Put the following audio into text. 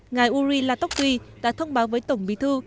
ngài uri la toc tuy đã thông báo với tổng bí thư